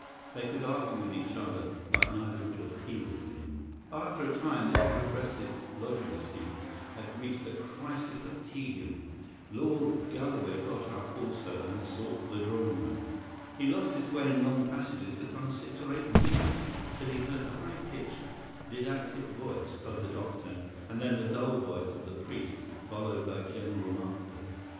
They could argue with each other, but neither could appeal to him. After a time this "progressive" logomachy had reached a crisis of tedium; Lord Galloway got up also and sought the drawing room. He lost his way in long passages for some six or eight minutes: till he heard the high pitched, didactic voice of the doctor, and then the dull voice of the priest, followed by general laughter.